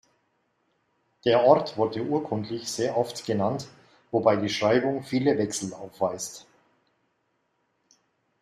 Der Ort wurde urkundlich sehr oft genannt, wobei die Schreibung viele Wechsel aufweist.